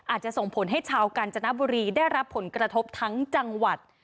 ส่งผลให้ชาวกาญจนบุรีได้รับผลกระทบทั้งจังหวัด